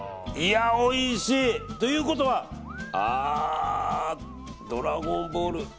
いや、おいしい！ということはドラゴンボール。